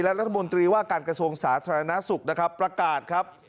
รัฐมนตรีว่าการกระทรวงสาธารณสุขนะครับประกาศครับ